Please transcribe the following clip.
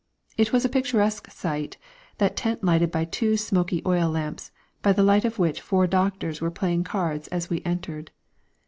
It was a picturesque sight, that tent lighted by two smoky oil lamps, by the light of which four doctors were playing cards as we entered.